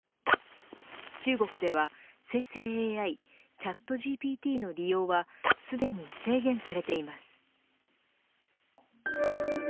中国では、生成ＡＩチャットＧＰＴの利用はすでに制限されています。